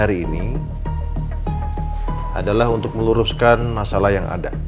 jadi apa yang kita lakukan hari ini adalah untuk meluruskan masalah yang ada